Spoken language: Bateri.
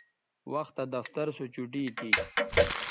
وختہ دفتر سو چوٹی تھی